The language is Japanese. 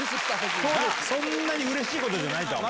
そんなにうれしいことじゃないとは思う。